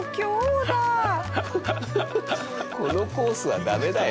このコースはダメだよ。